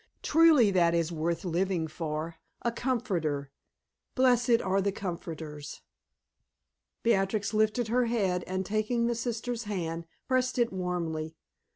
truly that is worth living for a comforter! Blessed are the comforters!" Beatrix lifted her head and taking the sister's hand, pressed it warmly.